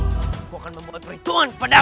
aku akan membuat perhitungan padamu